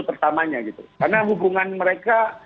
karena hubungan mereka